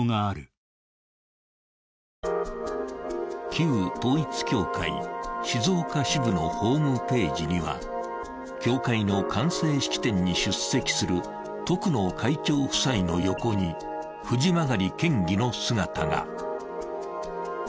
旧統一教会静岡支部のホームページには教会の完成式典に出席する徳野会長夫妻の横に、藤曲県議の姿が。